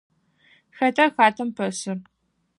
Xэтa хатэм пэсыр?